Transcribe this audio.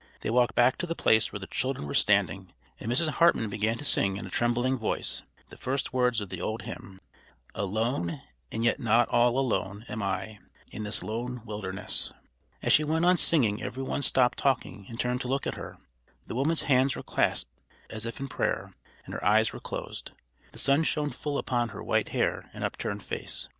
They walked back to the place where the children were standing, and Mrs. Hartman began to sing in a trembling voice the first words of the old hymn: "Alone, and yet not all alone, am I In this lone wilderness." As she went on singing every one stopped talking and turned to look at her. The woman's hands were clasped as if in prayer, and her eyes were closed. The sun shone full upon her white hair and upturned face.